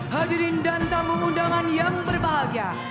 hadirin dan tamu undangan yang berbahagia